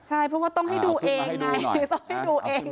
ใช่เพราะว่าต้องให้ดูเองไงคือต้องให้ดูเอง